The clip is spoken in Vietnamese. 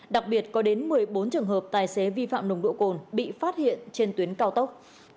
đặc biệt có đến một mươi bốn trường hợp tài xế vi phạm nồng độ cồn bị phát hiện trên tuyến cao tốc